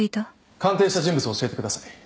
鑑定した人物を教えてください。